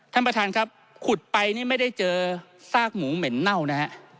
ท่านประธานครับขุดไปนี่ไม่ได้เจอซากหมูเหม็นเน่านะฮะ